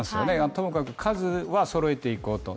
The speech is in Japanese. ともかく数はそろえていこうと。